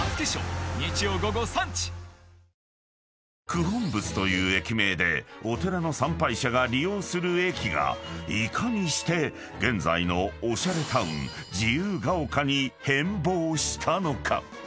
［九品仏という駅名でお寺の参拝者が利用する駅がいかにして現在のおしゃれタウン自由が丘に変貌したのか？］